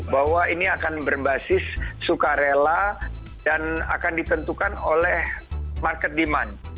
bahwa ini akan berbasis sukarela dan akan ditentukan oleh market demand